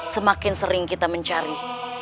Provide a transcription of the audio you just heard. semakin sering kita mencari